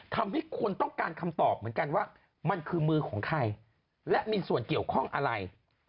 ทำให้คนต้องการคำตอบเหมือนกันว่ามันคือมือของใครและมีส่วนเกี่ยวข้องอะไร